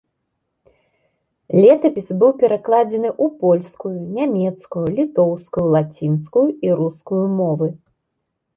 Летапіс быў перакладзены ў польскую, нямецкую, літоўскую, лацінскую і рускую мовы.